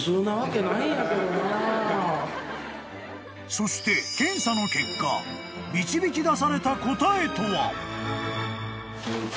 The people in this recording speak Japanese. ［そして検査の結果導き出された答えとは？］